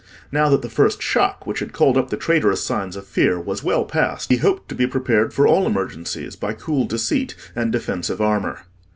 Now that the first shock, which had called up the traitorous signs of fear, was well past, he hoped to be prepared for all emergencies by cool deceit—and defensive armour.